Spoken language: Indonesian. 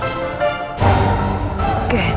itu mencurigai elsa